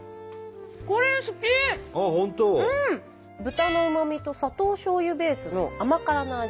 豚のうまみと砂糖しょうゆベースの甘辛な味。